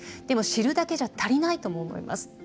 でも知るだけじゃ足りないとも思います。